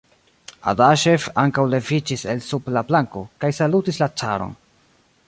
Adaŝev ankaŭ leviĝis el sub la planko, kaj salutis la caron.